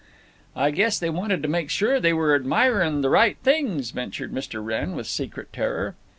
"I guess they wanted to make sure they were admirin' the right things," ventured Mr. Wrenn, with secret terror.